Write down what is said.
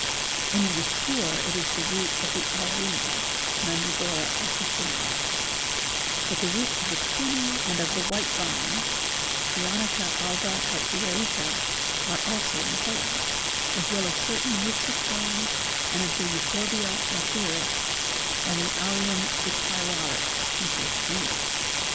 When it is pure it is the root of the alruna (mandragora officinalis), but the roots of the peony and of the white vine (pryonica alba et dioica) are also employed; as well as certain roots of ferns and of the euphorbia lathyris and the alliumbictarialis in case of need.